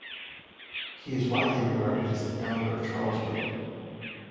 He is widely regarded as the founder of Charleswood.